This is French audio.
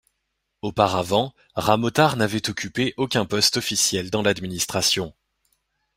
Auparavant, Ramotar n'avait occupé aucun poste officiel dans l'administration.